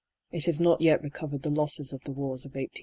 It has not yet recovered the losses of the wars of 1812 15.